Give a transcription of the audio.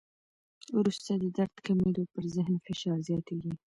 وروسته د درد کمېدو، پر ذهن فشار زیاتېږي.